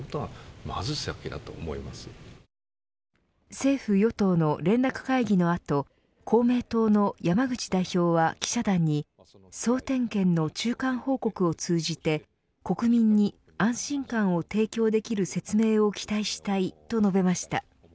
政府与党の連絡会議の後公明党の山口代表は記者団に総点検の中間報告を通じて国民に安心感を提供できる説明を期待したいと述べました。